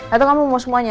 atau kamu mau semuanya